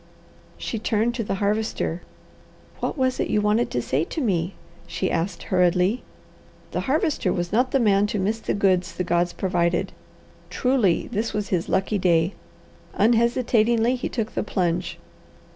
She turned to the Harvester. "What was it you wanted to say to me?" she asked hurriedly. The Harvester was not the man to miss the goods the gods provided. Truly this was his lucky day. Unhesitatingly he took the plunge.